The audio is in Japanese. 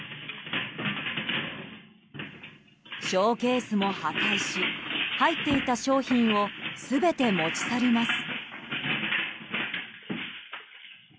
ショーケースも破壊し入っていた商品を全て持ち去ります。